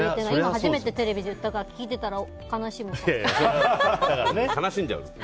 初めてテレビで言ったから聞いてたら悲しむかも。